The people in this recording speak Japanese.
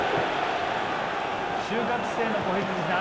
就活生の子羊さん。